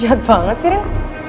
jahat banget sih rin